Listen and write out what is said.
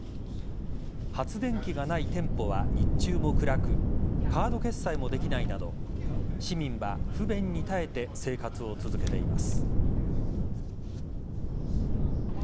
発電機がない店舗は日中も暗くカード決済もできないなど市民は不便に耐えて生活を続けています。